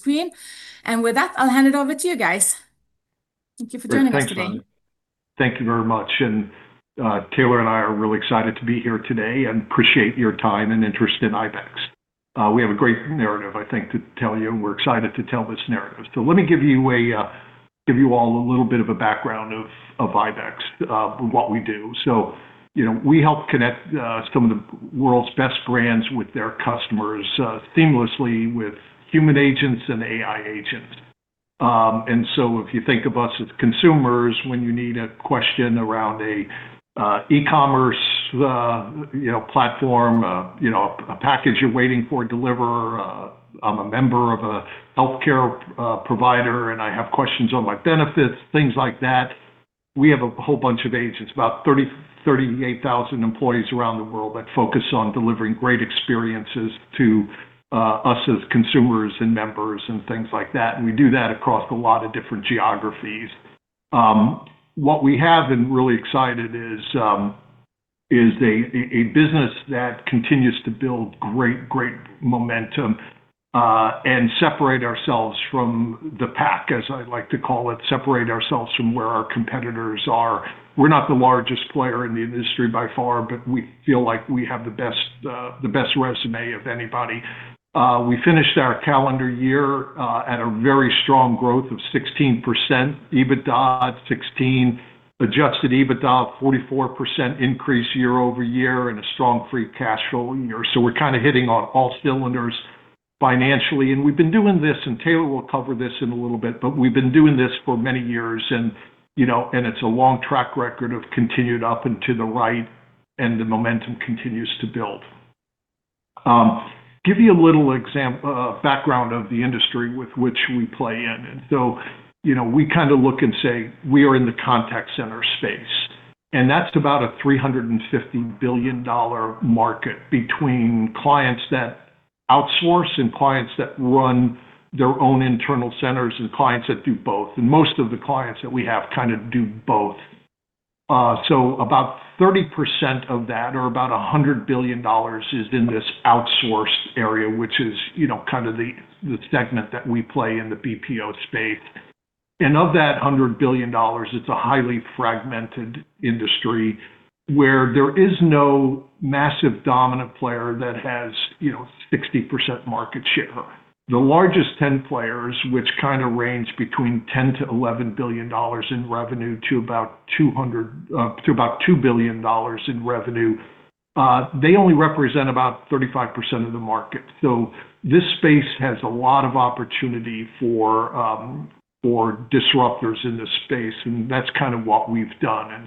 Screen. With that, I'll hand it over to you guys. Thank you for joining us today. Great. Thanks, Anja. Thank you very much. Taylor and I are really excited to be here today and appreciate your time and interest in ibex. We have a great narrative, I think, to tell you, and we're excited to tell this narrative. Let me give you all a little bit of a background of ibex, what we do. You know, we help connect some of the world's best brands with their customers seamlessly with human agents and AI agents. If you think of us as consumers when you need a question around a e-commerce, you know, platform, you know, a package you're waiting for delivery. I'm a member of a healthcare provider, and I have questions on my benefits, things like that. We have a whole bunch of agents, about 38,000 employees around the world that focus on delivering great experiences to us as consumers and members and things like that, and we do that across a lot of different geographies. What we have and really excited is a business that continues to build great momentum and separate ourselves from the pack, as I like to call it, separate ourselves from where our competitors are. We're not the largest player in the industry by far, but we feel like we have the best resume of anybody. We finished our calendar year at a very strong growth of 16% EBITDA, 16 Adjusted EBITDA, 44% increase year-over-year and a strong Free Cash Flow year. We're kinda hitting on all cylinders financially, and we've been doing this, and Taylor will cover this in a little bit, but we've been doing this for many years and, you know, and it's a long track record of continued up and to the right, and the momentum continues to build. Give you a little background of the industry with which we play in. You know, we kinda look and say we are in the contact center space. That's about a $350 billion market between clients that outsource and clients that run their own internal centers and clients that do both. Most of the clients that we have kinda do both. About 30% of that or about $100 billion is in this outsourced area, which is, you know, kind of the segment that we play in the BPO space. Of that $100 billion, it is a highly fragmented industry where there is no massive dominant player that has, you know, 60% market share. The largest 10 players, which kinda range between $10 billion-$11 billion in revenue to about $2 billion in revenue, they only represent about 35% of the market. This space has a lot of opportunity for disruptors in this space, and that is kind of what we have done.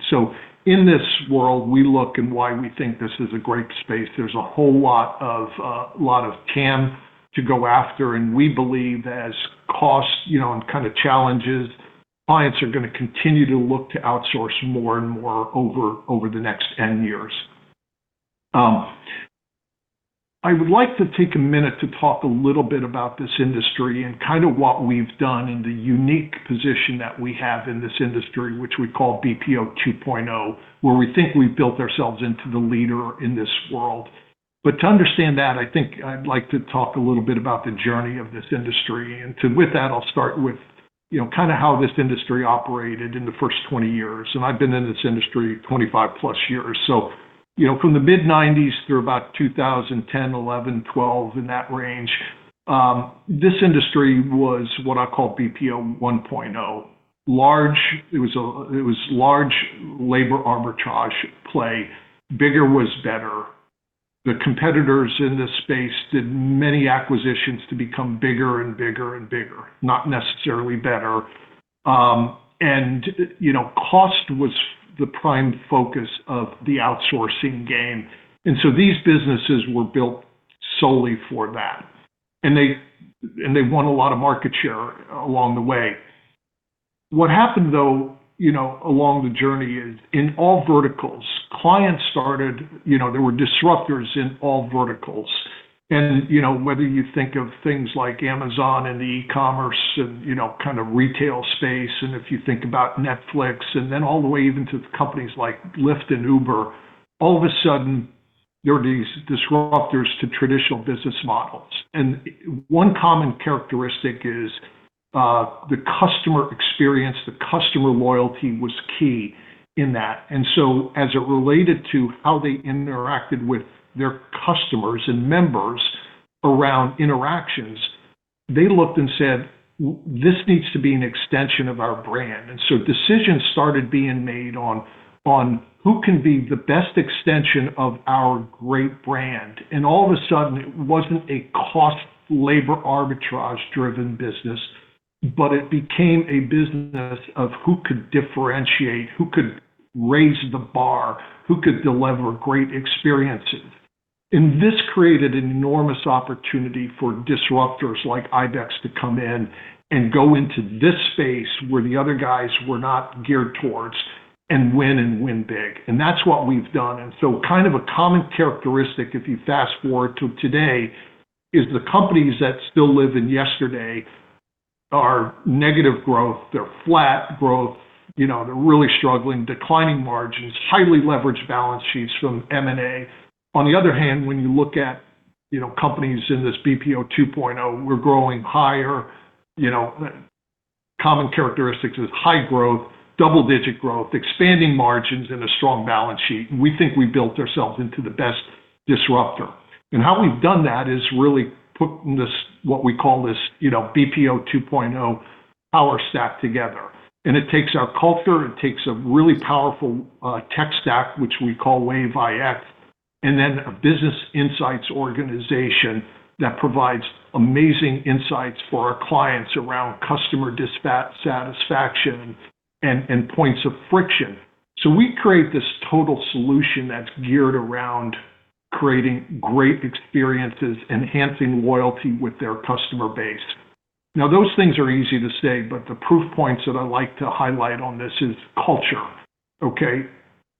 In this world, we look at why we think this is a great space. There's a whole lot of TAM to go after, and we believe as costs and kinda challenges, clients are gonna continue to look to outsource more and more over the next 10 years. I would like to take a minute to talk a little bit about this industry and kind of what we've done and the unique position that we have in this industry, which we call BPO 2.0, where we think we've built ourselves into the leader in this world. To understand that, I think I'd like to talk a little bit about the journey of this industry. With that, I'll start with kinda how this industry operated in the first 20 years. I've been in this industry 25+ years. You know, from the mid-1990s through about 2010, 2011, 2012, in that range, this industry was what I call BPO 1.0. It was a large labor arbitrage play. Bigger was better. The competitors in this space did many acquisitions to become bigger and bigger and bigger, not necessarily better. You know, cost was the prime focus of the outsourcing game. These businesses were built solely for that. They won a lot of market share along the way. What happened though, along the journey is in all verticals, clients started. You know, there were disruptors in all verticals. You know, whether you think of things like Amazon and the e-commerce and, you know, kind of retail space, and if you think about Netflix, and then all the way even to companies like Lyft and Uber, all of a sudden, there were these disruptors to traditional business models. One common characteristic is, the customer experience, the customer loyalty was key in that. As it related to how they interacted with their customers and members around interactions, they looked and said, "This needs to be an extension of our brand." Decisions started being made on who can be the best extension of our great brand. All of a sudden, it wasn't a cost labor arbitrage-driven business, but it became a business of who could differentiate, who could raise the bar, who could deliver great experiences. This created an enormous opportunity for disruptors like ibex to come in and go into this space where the other guys were not geared towards and win and win big. That's what we've done. Kind of a common characteristic, if you fast-forward to today, is the companies that still live in yesterday are negative growth, they're flat growth, you know, they're really struggling, declining margins, highly leveraged balance sheets from M&A. On the other hand, when you look at, you know, companies in this BPO 2.0, we're growing higher, you know, common characteristics with high growth, double-digit growth, expanding margins, and a strong balance sheet. We think we built ourselves into the best disruptor. How we've done that is really putting this, what we call this, you know, BPO 2.0 power stack together. It takes our culture, it takes a really powerful, tech stack, which we call Wave iX, and then a business insights organization that provides amazing insights for our clients around customer dissatisfaction and points of friction. We create this total solution that's geared around creating great experiences, enhancing loyalty with their customer base. Now, those things are easy to say, but the proof points that I like to highlight on this is culture. Okay.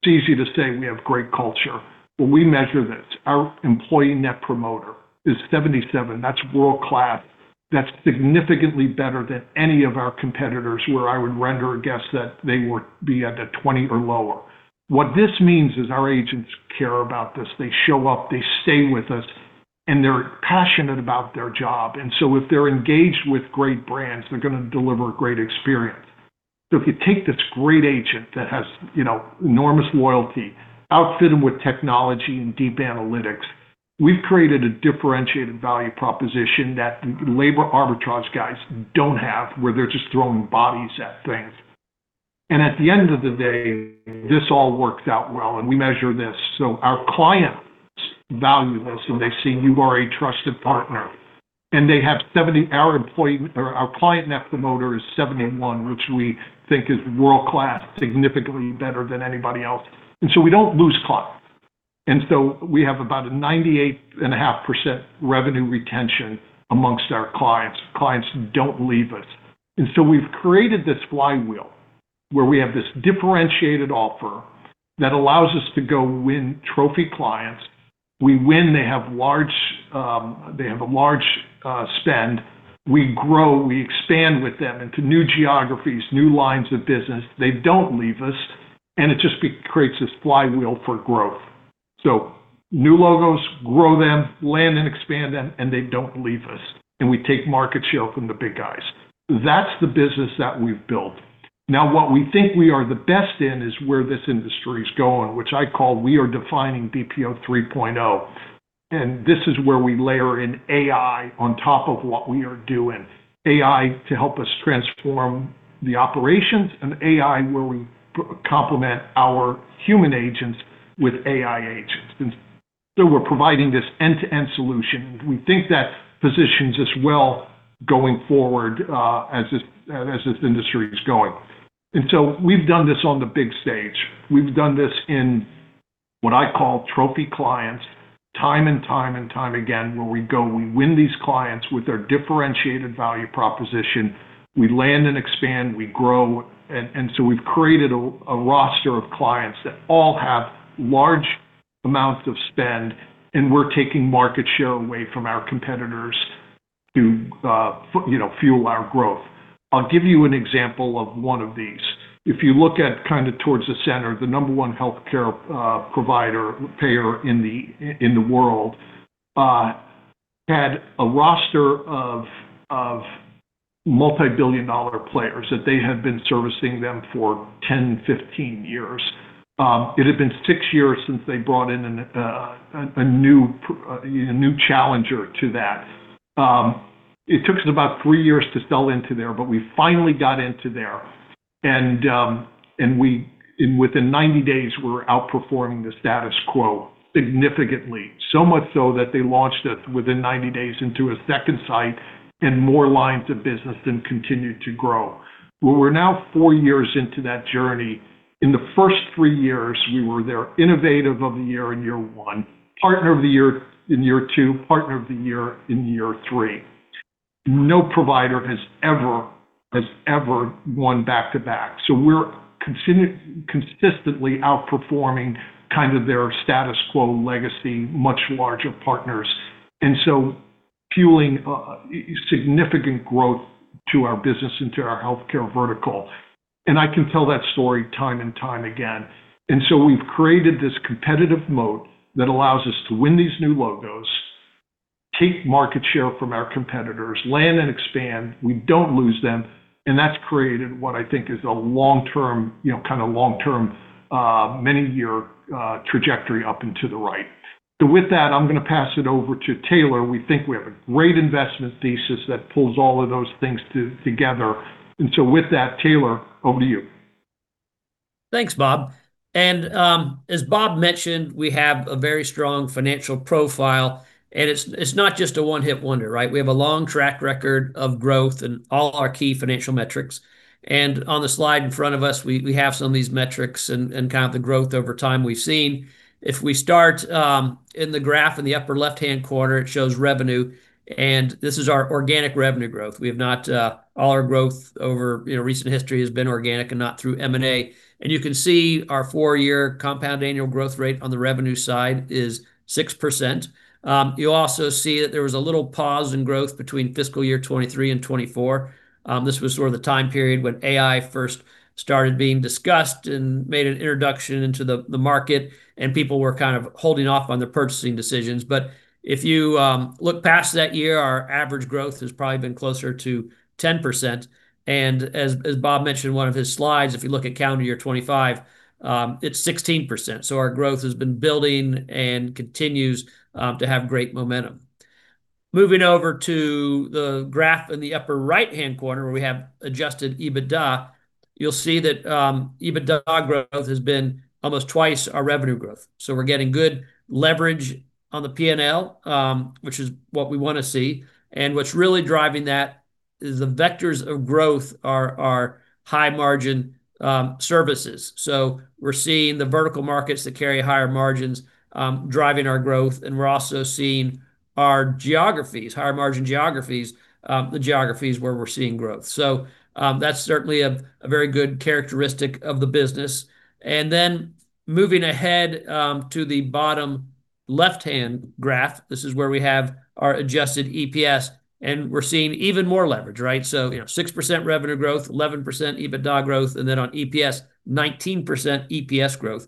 It's easy to say we have great culture, but we measure this. Our employee Net Promoter is 77. That's world-class. That's significantly better than any of our competitors, where I would render a guess that they would be at a 20 or lower. What this means is our agents care about this. They show up, they stay with us, and they're passionate about their job. If they're engaged with great brands, they're gonna deliver a great experience. If you take this great agent that has, you know, enormous loyalty, outfit them with technology and deep analytics, we've created a differentiated value proposition that the labor arbitrage guys don't have, where they're just throwing bodies at things. At the end of the day, this all works out well, and we measure this. Our clients value us, and they say, "You are a trusted partner." They have our client Net Promoter is 71, which we think is world-class, significantly better than anybody else. We don't lose clients. We have about a 98.5% revenue retention among our clients. Clients don't leave us. We've created this flywheel where we have this differentiated offer that allows us to go win trophy clients. We win, they have a large spend. We grow, we expand with them into new geographies, new lines of business. They don't leave us, and it just creates this flywheel for growth. New logos, grow them, land and expand them, and they don't leave us, and we take market share from the big guys. That's the business that we've built. Now, what we think we are the best in is where this industry is going, which I call we are defining BPO 3.0. This is where we layer in AI on top of what we are doing. AI to help us transform the operations, and AI where we complement our human agents with AI agents. We're providing this end-to-end solution. We think that positions us well going forward, as this industry is going. We've done this on the big stage. We've done this in what I call trophy clients time and time and time again, where we go, we win these clients with our differentiated value proposition. We land and expand, we grow. We've created a roster of clients that all have large amounts of spend, and we're taking market share away from our competitors to you know, fuel our growth. I'll give you an example of one of these. If you look at kind of towards the center, the number one healthcare payer in the world had a roster of multi-billion dollar players that they had been servicing them for 10, 15 years. It had been 6 years since they brought in a new challenger to that. It took us about 3 years to sell into there, but we finally got into there. Within 90 days, we were outperforming the status quo significantly. So much so that they launched us within 90 days into a second site and more lines of business and continued to grow. Well, we're now 4 years into that journey. In the first 3 years, we were their innovator of the year in year 1, partner of the year in year 2, partner of the year in year 3. No provider has ever won back-to-back. We're consistently outperforming kind of their status quo legacy, much larger partners, fueling significant growth to our business and to our healthcare vertical. I can tell that story time and time again. We've created this competitive moat that allows us to win these new logos, take market share from our competitors, land and expand. We don't lose them, and that's created what I think is a long-term, you know, kinda long-term, many-year, trajectory up into the right. With that, I'm gonna pass it over to Taylor. We think we have a great investment thesis that pulls all of those things together. With that, Taylor, over to you. Thanks, Bob. As Bob mentioned, we have a very strong financial profile, and it's not just a one-hit wonder, right? We have a long track record of growth in all our key financial metrics. On the slide in front of us, we have some of these metrics and kind of the growth over time we've seen. If we start in the graph in the upper left-hand corner, it shows revenue, and this is our organic revenue growth. All our growth over, you know, recent history has been organic and not through M&A. You can see our four-year compound annual growth rate on the revenue side is 6%. You'll also see that there was a little pause in growth between fiscal year 2023 and 2024. This was sort of the time period when AI first started being discussed and made an introduction into the market, and people were kind of holding off on their purchasing decisions. If you look past that year, our average growth has probably been closer to 10%. As Bob mentioned in one of his slides, if you look at calendar year 2025, it's 16%. Our growth has been building and continues to have great momentum. Moving over to the graph in the upper right-hand corner where we have Adjusted EBITDA, you'll see that EBITDA growth has been almost twice our revenue growth. We're getting good leverage on the P&L, which is what we wanna see. What's really driving that is the vectors of growth are our high-margin services. We're seeing the vertical markets that carry higher margins, driving our growth, and we're also seeing our geographies, higher-margin geographies, the geographies where we're seeing growth. That's certainly a very good characteristic of the business. Moving ahead to the bottom left-hand graph, this is where we have our adjusted EPS, and we're seeing even more leverage, right? You know, 6% revenue growth, 11% EBITDA growth, and then on EPS, 19% EPS growth.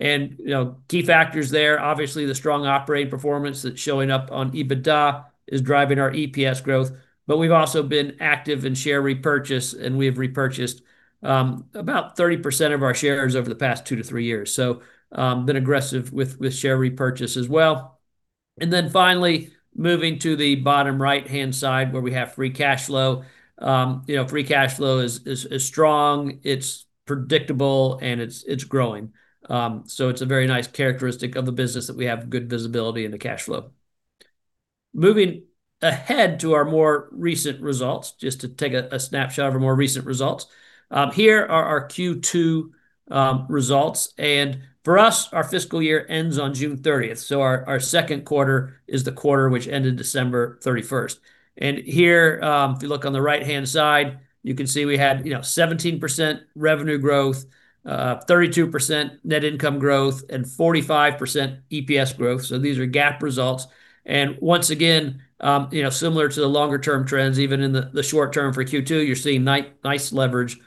You know, key factors there, obviously, the strong operating performance that's showing up on EBITDA is driving our EPS growth. We've also been active in share repurchase, and we have repurchased about 30% of our shares over the past 2-3 years. Been aggressive with share repurchase as well. Finally, moving to the bottom right-hand side where we have Free Cash Flow. You know, Free Cash Flow is strong, it's predictable, and it's growing. It's a very nice characteristic of the business that we have good visibility in the cash flow. Moving ahead to our more recent results, just to take a snapshot of our more recent results. Here are our Q2 results. For us, our fiscal year ends on June 30th, so our second quarter is the quarter which ended December 31st. Here, if you look on the right-hand side, you can see we had, you know, 17% revenue growth, 32% net income growth, and 45% EPS growth. These are GAAP results. Once again, you know, similar to the longer-term trends, even in the short term for Q2, you're seeing nice leverage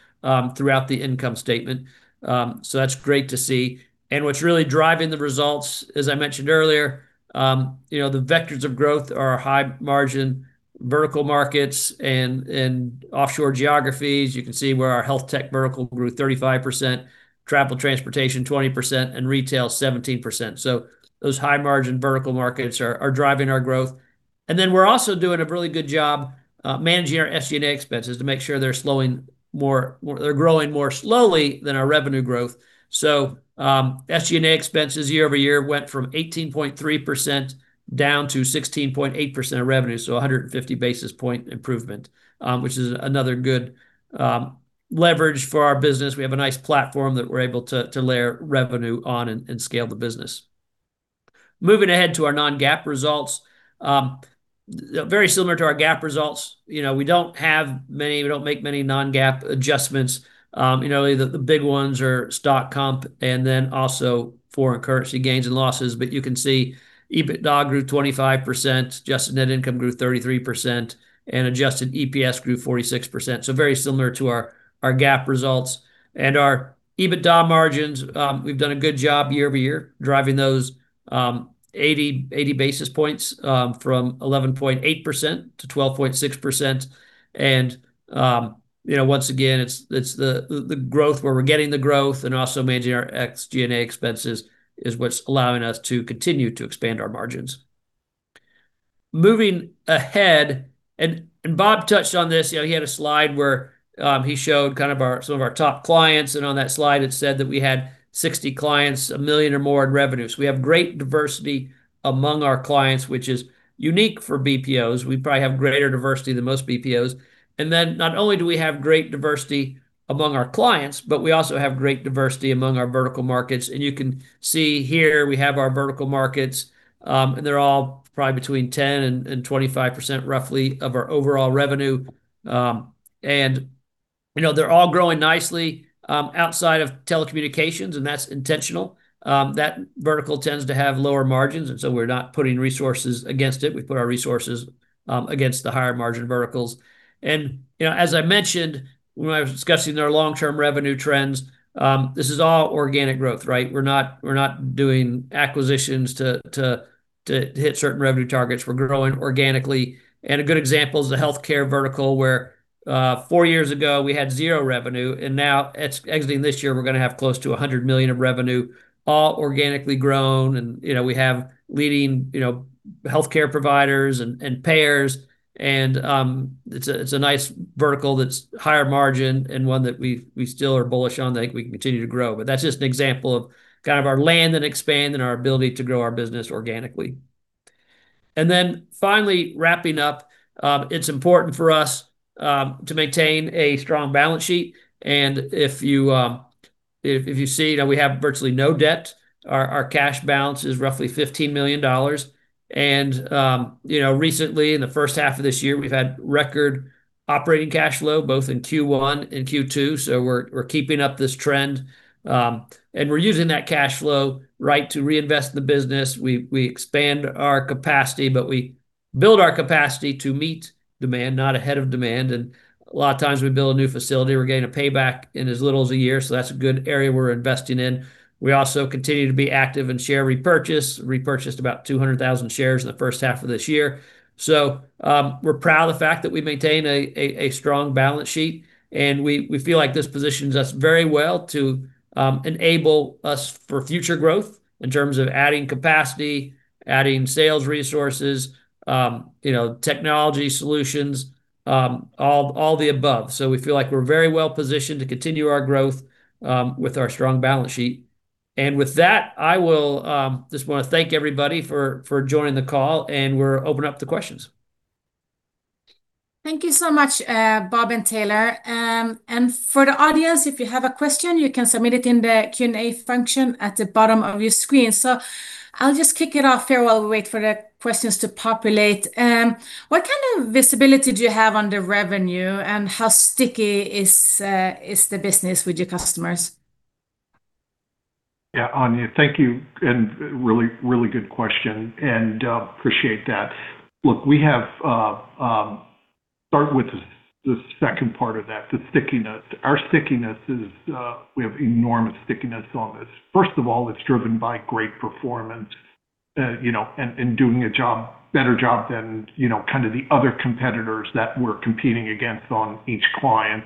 throughout the income statement. That's great to see. What's really driving the results, as I mentioned earlier, you know, the vectors of growth are our high-margin vertical markets and offshore geographies. You can see where our HealthTech vertical grew 35%, travel transportation 20%, and retail 17%. Those high-margin vertical markets are driving our growth. Then we're also doing a really good job managing our SG&A expenses to make sure they're growing more slowly than our revenue growth. SG&A expenses year over year went from 18.3% down to 16.8% of revenue, so 150 basis point improvement, which is another good leverage for our business. We have a nice platform that we're able to layer revenue on and scale the business. Moving ahead to our non-GAAP results. Very similar to our GAAP results, you know, we don't make many non-GAAP adjustments. You know, the big ones are stock comp and then also foreign currency gains and losses. But you can see EBITDA grew 25%, adjusted net income grew 33%, and adjusted EPS grew 46%. Very similar to our GAAP results. Our EBITDA margins, we've done a good job year-over-year driving those, 80 basis points, from 11.8% to 12.6%. You know, once again, it's the growth where we're getting the growth and also managing our SG&A expenses is what's allowing us to continue to expand our margins. Moving ahead, Bob touched on this. You know, he had a slide where he showed kind of our some of our top clients, and on that slide it said that we had 60 clients $1 million or more in revenue. So we have great diversity among our clients, which is unique for BPOs. We probably have greater diversity than most BPOs. Not only do we have great diversity among our clients, but we also have great diversity among our vertical markets. You can see here we have our vertical markets, and they're all probably between 10% and 25% roughly of our overall revenue. You know, they're all growing nicely outside of telecommunications, and that's intentional. That vertical tends to have lower margins, and so we're not putting resources against it. We put our resources against the higher-margin verticals. You know, as I mentioned when I was discussing our long-term revenue trends, this is all organic growth, right? We're not doing acquisitions to hit certain revenue targets. We're growing organically. A good example is the healthcare vertical where 4 years ago we had 0 revenue, and now exiting this year we're gonna have close to $100 million of revenue, all organically grown. You know, we have leading healthcare providers and payers. It's a nice vertical that's higher margin and one that we still are bullish on, I think we can continue to grow. That's just an example of kind of our land and expand and our ability to grow our business organically. Finally, wrapping up, it's important for us to maintain a strong balance sheet. If you see that we have virtually no debt, our cash balance is roughly $15 million. You know, recently, in the first half of this year, we've had record operating cash flow both in Q1 and Q2, so we're keeping up this trend. We're using that cash flow, right, to reinvest in the business. We expand our capacity, but we build our capacity to meet demand, not ahead of demand. A lot of times we build a new facility, we're getting a payback in as little as a year, so that's a good area we're investing in. We also continue to be active in share repurchase. Repurchased about 200,000 shares in the first half of this year. We're proud of the fact that we maintain a strong balance sheet, and we feel like this positions us very well to enable us for future growth in terms of adding capacity, adding sales resources, you know, technology solutions, all the above. We're very well positioned to continue our growth with our strong balance sheet. With that, I will just wanna thank everybody for joining the call, and we're open up to questions. Thank you so much, Bob and Taylor. For the audience, if you have a question, you can submit it in the Q&A function at the bottom of your screen. I'll just kick it off here while we wait for the questions to populate. What kind of visibility do you have on the revenue, and how sticky is the business with your customers? Yeah, Anja, thank you and really, really good question and appreciate that. Look, start with the second part of that, the stickiness. Our stickiness is, we have enormous stickiness on this. First of all, it's driven by great performance, you know, and doing a job, better job than, you know, kind of the other competitors that we're competing against on each client.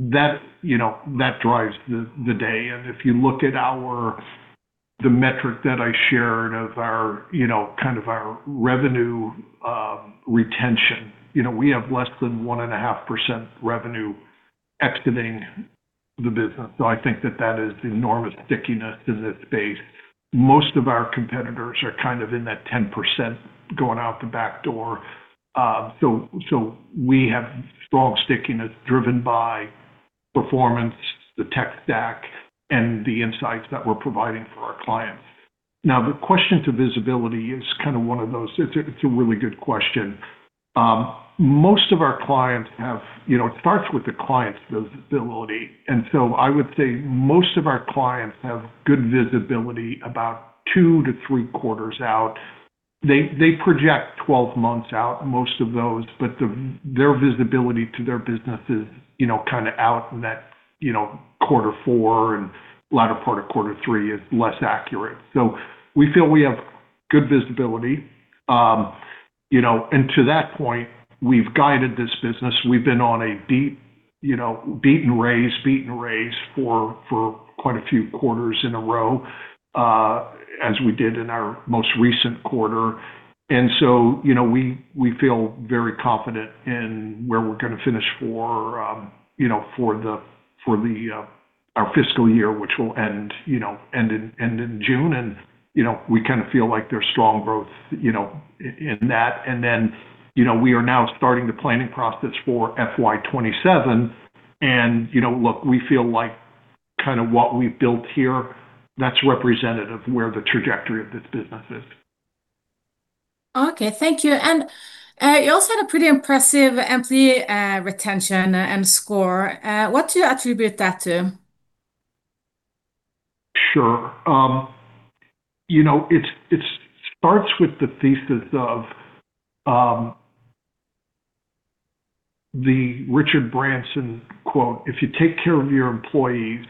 That, you know, that drives the day. If you look at the metric that I shared of our, you know, kind of our revenue retention, you know, we have less than 1.5% revenue exiting the business. So I think that is enormous stickiness in this space. Most of our competitors are kind of in that 10% going out the back door. We have strong stickiness driven by performance, the tech stack, and the insights that we're providing for our clients. Now, the question to visibility is kinda one of those. It's a really good question. You know, it starts with the client's visibility. I would say most of our clients have good visibility about two to three quarters out. They project 12 months out, most of those, but their visibility to their business is, you know, kinda out in that, you know, quarter four and latter part of quarter three is less accurate. We feel we have good visibility. You know, to that point, we've guided this business. We've been on a beat, you know, beat and raise, beat and raise for quite a few quarters in a row, as we did in our most recent quarter. You know, we feel very confident in where we're gonna finish for our fiscal year, which will end in June. You know, we kinda feel like there's strong growth in that. You know, we are now starting the planning process for FY 2027. You know, look, we feel like kinda what we've built here, that's representative of where the trajectory of this business is. Okay, thank you. You also had a pretty impressive employee retention and score. What do you attribute that to? Sure. You know, it starts with the thesis of the Richard Branson quote, "If you take care of your employees,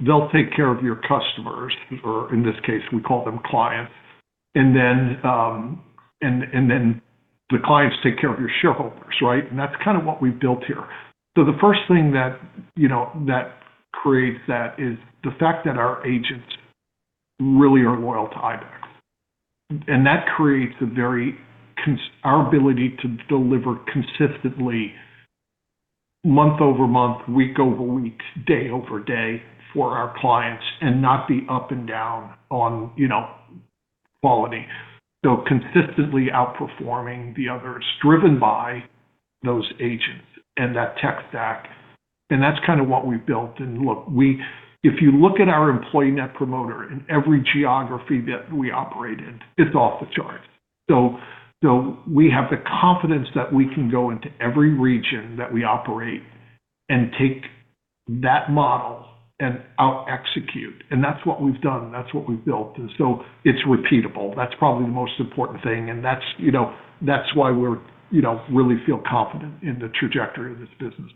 they'll take care of your customers," or in this case, we call them clients. The clients take care of your shareholders, right? That's kind of what we've built here. The first thing that you know creates that is the fact that our agents really are loyal to ibex. That creates our ability to deliver consistently month-over-month, week-over-week, day-over-day for our clients and not be up and down on, you know, quality. Consistently outperforming the others, driven by those agents and that tech stack, and that's kinda what we've built. Look, if you look at our employee Net Promoter in every geography that we operate in, it's off the charts. We have the confidence that we can go into every region that we operate and take that model and out-execute. That's what we've done, and that's what we've built. It's repeatable. That's probably the most important thing. That's, you know, that's why we're, you know, really feel confident in the trajectory of this business.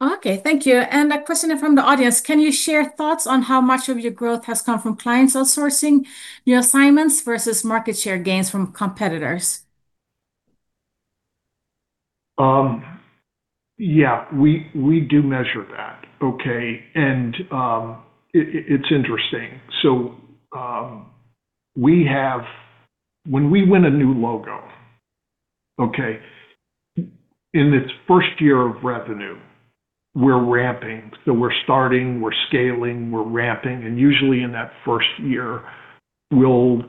Okay, thank you. A question from the audience: Can you share thoughts on how much of your growth has come from clients outsourcing your assignments versus market share gains from competitors? Yeah, we do measure that. Okay. It's interesting. When we win a new logo, okay, in its first year of revenue, we're ramping. We're starting, we're scaling, we're ramping. Usually in that first year, we'll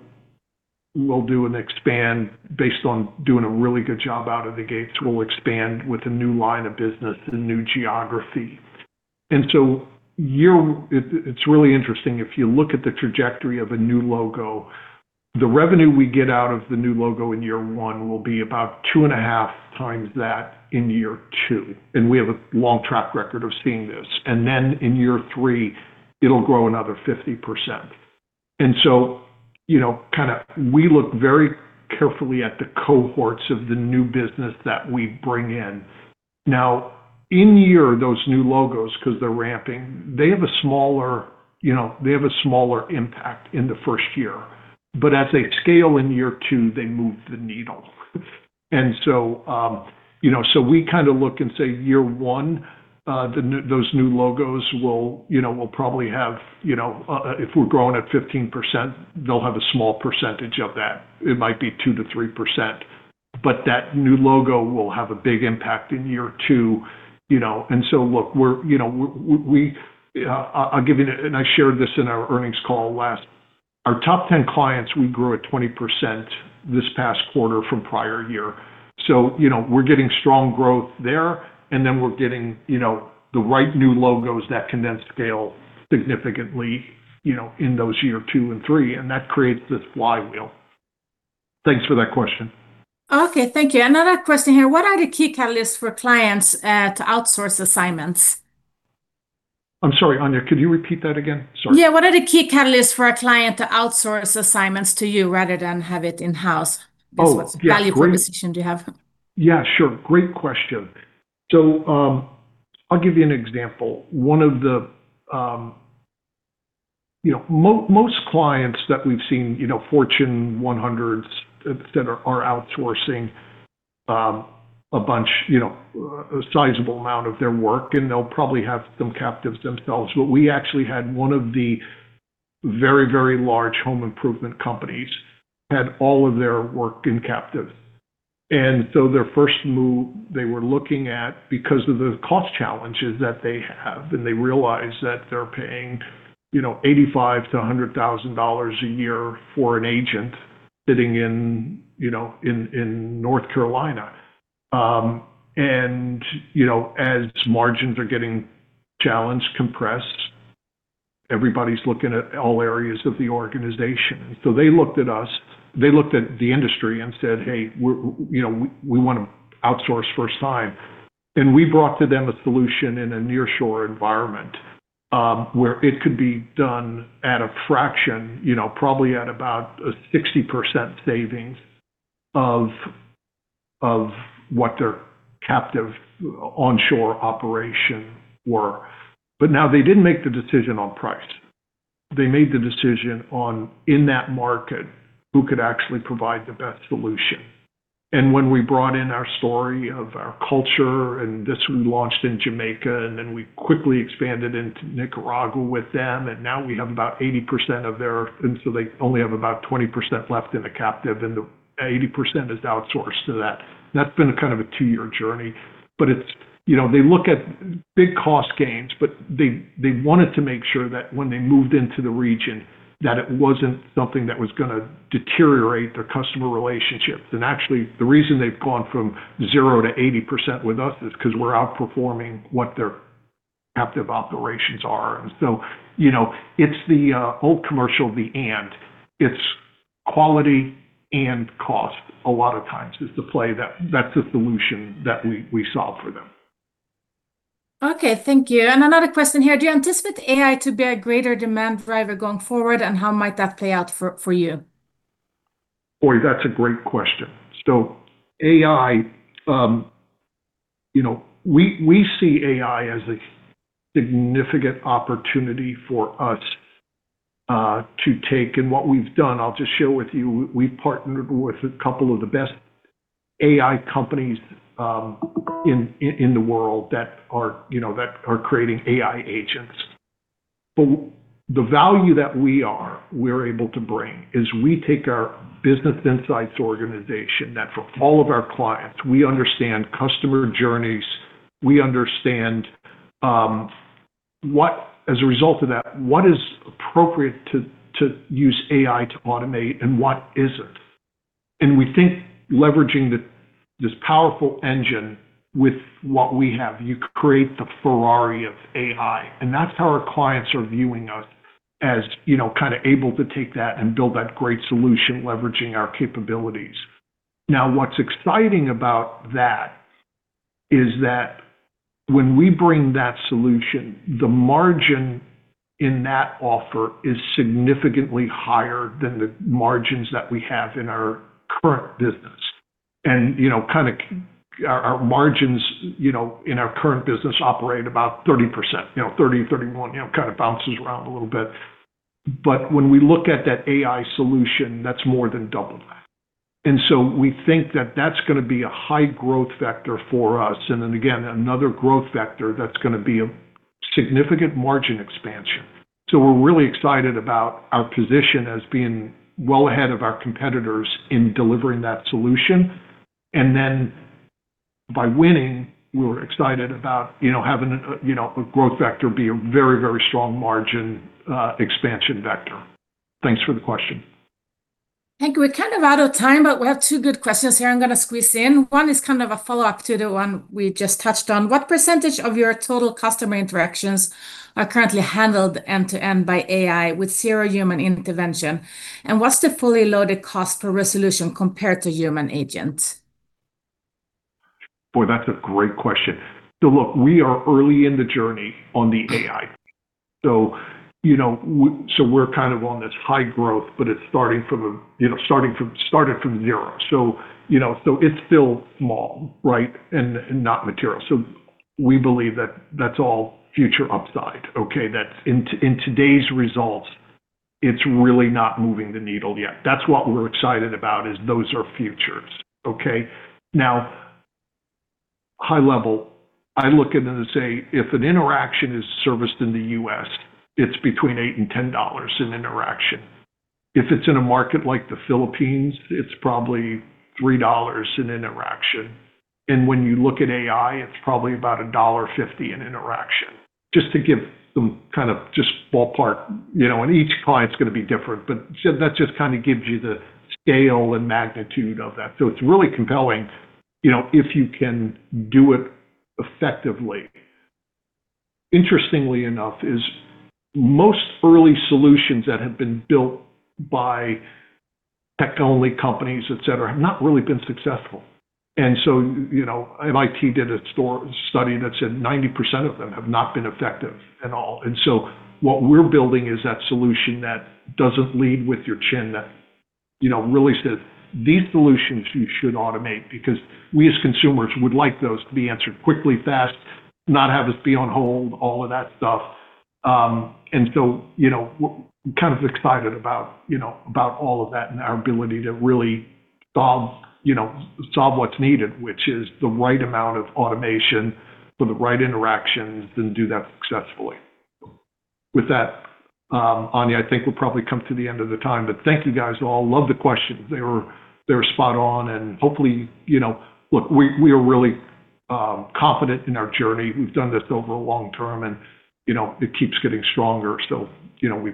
do an expansion based on doing a really good job out of the gates. We'll expand with a new line of business and new geography. It's really interesting. If you look at the trajectory of a new logo, the revenue we get out of the new logo in year 1 will be about 2.5x that in year 2. We have a long track record of seeing this. Then in year 3, it'll grow another 50%. You know, kinda, we look very carefully at the cohorts of the new business that we bring in. Now, in year, those new logos, 'cause they're ramping, they have a smaller impact in the first year. As they scale in year 2, they move the needle. You know, so we kinda look and say, year 1, those new logos will probably have, you know, if we're growing at 15%, they'll have a small percentage of that. It might be 2%-3%, but that new logo will have a big impact in year 2, you know. Look, we're, you know, we. I'll give you. I shared this in our earnings call last. Our top 10 clients, we grew at 20% this past quarter from prior year. You know, we're getting strong growth there, and then we're getting, you know, the right new logos that can then scale significantly, you know, in those year 2 and 3, and that creates this flywheel. Thanks for that question. Okay, thank you. Another question here. What are the key catalysts for clients to outsource assignments? I'm sorry, Anja, could you repeat that again? Sorry. Yeah. What are the key catalysts for a client to outsource assignments to you rather than have it in-house? Oh, yeah. Great. Value proposition do you have? Yeah, sure. Great question. I'll give you an example. One of the, you know, most clients that we've seen, you know, Fortune 100s that are outsourcing, you know, a sizable amount of their work, and they'll probably have some captives themselves. We actually had one of the very large home improvement companies had all of their work in captive. Their first move, they were looking at because of the cost challenges that they have, and they realize that they're paying, you know, $85,000-$100,000 a year for an agent sitting in, you know, in North Carolina. You know, as margins are getting challenged, compressed, everybody's looking at all areas of the organization. They looked at us, they looked at the industry and said, "Hey, we're, you know, we wanna outsource first time." We brought to them a solution in a nearshore environment, where it could be done at a fraction, you know, probably at about a 60% savings of what their captive onshore operation were. Now they didn't make the decision on price. They made the decision on in that market, who could actually provide the best solution. When we brought in our story of our culture, and this, we launched in Jamaica, and then we quickly expanded into Nicaragua with them, and now we have about 80% of their. They only have about 20% left in the captive, and the 80% is outsourced to that. That's been a kind of a two-year journey. It's. You know, they look at big cost gains, but they wanted to make sure that when they moved into the region, that it wasn't something that was gonna deteriorate their customer relationships. Actually, the reason they've gone from 0 to 80% with us is 'cause we're outperforming what their captive operations are. You know, it's the old commercial, the and. It's quality and cost a lot of times is the play that's the solution that we solve for them. Okay. Thank you. Another question here. Do you anticipate AI to be a greater demand driver going forward, and how might that play out for you? Boy, that's a great question. AI, you know, we see AI as a significant opportunity for us to take. What we've done, I'll just share with you, we've partnered with a couple of the best AI companies in the world that are, you know, creating AI agents. The value that we're able to bring is we take our business insights organization that for all of our clients, we understand customer journeys, we understand what as a result of that, what is appropriate to use AI to automate and what isn't. We think leveraging this powerful engine with what we have, you create the Ferrari of AI. That's how our clients are viewing us as, you know, kinda able to take that and build that great solution, leveraging our capabilities. What's exciting about that is that when we bring that solution, the margin in that offer is significantly higher than the margins that we have in our current business. You know, kinda our margins, you know, in our current business operate about 30%, you know, 30, 31, you know, kind of bounces around a little bit. When we look at that AI solution, that's more than double that. We think that that's gonna be a high growth vector for us, and then again, another growth vector that's gonna be a significant margin expansion. We're really excited about our position as being well ahead of our competitors in delivering that solution. By winning, we're excited about, you know, having a, you know, a growth vector be a very, very strong margin expansion vector. Thanks for the question. Thank you. We're kind of out of time, but we have 2 good questions here I'm gonna squeeze in. One is kind of a follow-up to the one we just touched on. What percentage of your total customer interactions are currently handled end-to-end by AI with zero human intervention? And what's the fully loaded cost per resolution compared to human agent? Boy, that's a great question. Look, we are early in the journey on the AI. You know, we're kind of on this high growth, but it's starting from zero. You know, it's still small, right, and not material. We believe that that's all future upside, okay? In today's results, it's really not moving the needle yet. That's what we're excited about, is those are futures, okay? Now, high level, I look at it and say, if an interaction is serviced in the U.S., it's between $8 and $10 an interaction. If it's in a market like the Philippines, it's probably $3 an interaction. When you look at AI, it's probably about $1.50 an interaction. Just to give some kind of just ballpark, you know, and each client's gonna be different, but just, that just kinda gives you the scale and magnitude of that. It's really compelling, you know, if you can do it effectively. Interestingly enough is most early solutions that have been built by tech-only companies, etc., have not really been successful. You know, MIT did a study that said 90% of them have not been effective at all. What we're building is that solution that doesn't lead with your chin, that, you know, really says, "These solutions you should automate," because we as consumers would like those to be answered quickly, fast, not have us be on hold, all of that stuff. You know, kind of excited about, you know, about all of that and our ability to really solve what's needed, which is the right amount of automation for the right interactions, and do that successfully. With that, Anja, I think we'll probably come to the end of the time. Thank you guys all. Love the questions. They were spot on, and hopefully, you know. Look, we are really confident in our journey. We've done this over long term and, you know, it keeps getting stronger. You know, we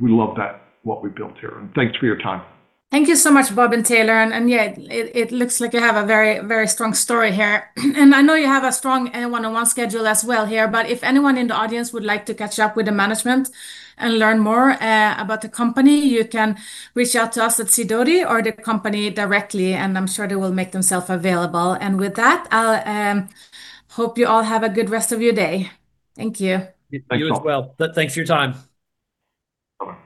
love that, what we've built here, and thanks for your time. Thank you so much, Bob and Taylor. Yeah, it looks like you have a very, very strong story here. I know you have a strong one-on-one schedule as well here, but if anyone in the audience would like to catch up with the management and learn more about the company, you can reach out to us at Sidoti or the company directly, and I'm sure they will make themselves available. With that, I'll hope you all have a good rest of your day. Thank you. Thank you. You as well. Thanks for your time. Bye-bye.